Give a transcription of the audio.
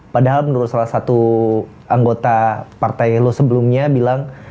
padahal menurut salah satu anggota partai lo sebelumnya bilang